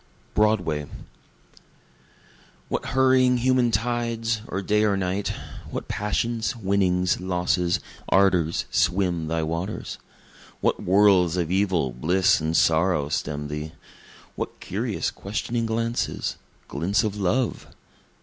Broadway What hurrying human tides, or day or night! What passions, winnings, losses, ardors, swim thy waters! What whirls of evil, bliss and sorrow, stem thee! What curious questioning glances glints of love!